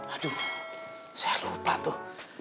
aduh saya lupa tuh